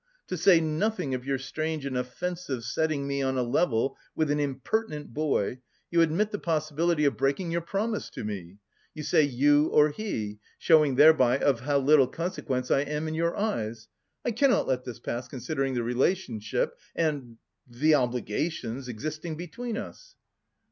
To say nothing of your strange and offensive setting me on a level with an impertinent boy, you admit the possibility of breaking your promise to me. You say 'you or he,' showing thereby of how little consequence I am in your eyes... I cannot let this pass considering the relationship and... the obligations existing between us."